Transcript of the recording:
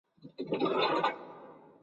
子王士隆嗣。